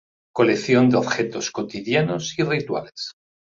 Colección de objetos cotidianos y rituales.